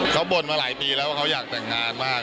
เขาบ่นมาหลายปีแล้วว่าเขาอยากแต่งงานมาก